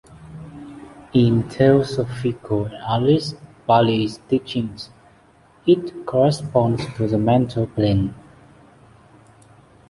In Theosophical and Alice Bailey's teachings, it corresponds to the Mental plane.